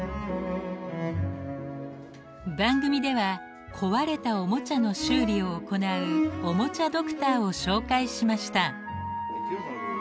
番組では壊れたおもちゃの修理を行うおもちゃドクターを紹介しました。